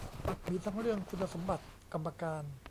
มีทั้งเรื่องคุณสมบัติกรรมการ